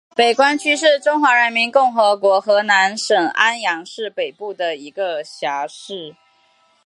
北关区是中华人民共和国河南省安阳市北部一个市辖区。